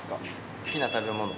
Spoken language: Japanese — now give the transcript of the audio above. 好きな食べ物。